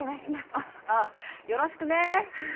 あああよろしくね。